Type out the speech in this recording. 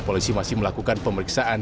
polisi masih melakukan pemeriksaan